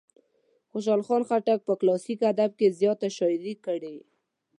خوشال خان خټک په کلاسیک ادب کې زیاته شاعري کړې.